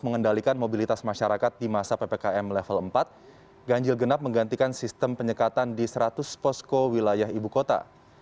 ppkm level empat ganjil genap menggantikan sistem penyekatan di seratus posko wilayah ibu kota